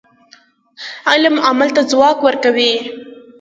علم عمل ته ځواک ورکوي.